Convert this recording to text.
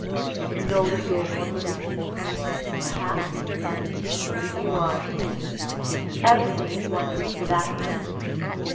] JEAN. Do you know that you are wonderful? JULIE. Perhaps. But you are too. Everything is wonderful for that matter.